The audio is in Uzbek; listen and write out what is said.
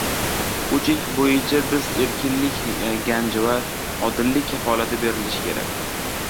bu chek bo‘yicha bizga erkinlik ganji va odillik kafolati berilishi kerak.